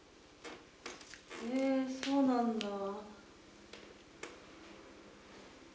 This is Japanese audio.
へえそうなんだ。